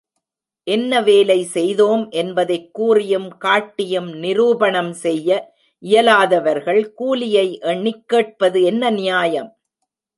என்ன வேலை செய்தோம் என்பதைக் கூறியும் காட்டியும் நிரூபணம் செய்ய இயலாதவர்கள் கூலியை எண்ணிக் கேட்பது என்ன நியாயம்.